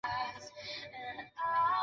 委员会总部设在卡宴附近的郊区。